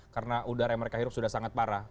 karena udara yang mereka hirup sudah sangat parah